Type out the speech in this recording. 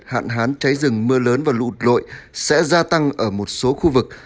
hạn hán cháy rừng mưa lớn và lụt lội sẽ gia tăng ở một số khu vực